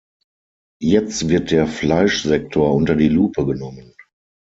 Jetzt wird der Fleischsektor unter die Lupe genommen.